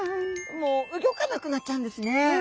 もう動かなくなっちゃうんですね。